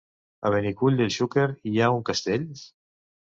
A Benicull de Xúquer hi ha un castell?